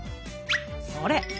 それ！